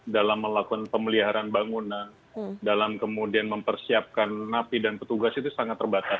dalam melakukan pemeliharaan bangunan dalam kemudian mempersiapkan napi dan petugas itu sangat terbatas